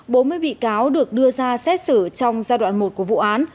bốn mươi bị cáo được đưa ra xét xử trong giai đoạn một của vụ án